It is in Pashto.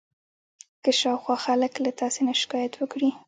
که شاوخوا خلک له تاسې نه شکایت وکړي.